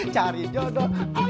cari jodoh akhirnya dapat juga